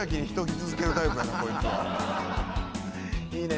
いいね。